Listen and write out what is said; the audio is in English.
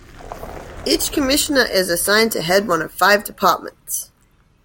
Each Commissioner is assigned to head one of five departments.